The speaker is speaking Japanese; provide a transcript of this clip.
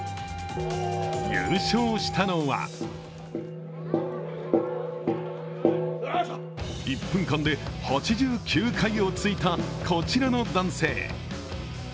優勝したのは１分間で８９回をついたこちらの男性。